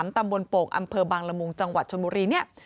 ตำบลโป่งอำเภอบางละมุงจังหวัดชนบุรีเนี่ย